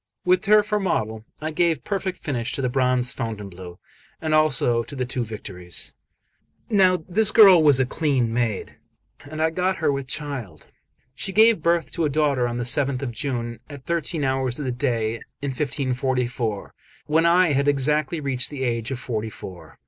With her for model, I gave perfect finish to the bronze Fontainebleau, and also to the two Victories. Now this girl was a clean maid, and I got her with child. She gave birth to a daughter on the 7th of June, at thirteen hours of the day, in 1544, when I had exactly reached the age of forty four.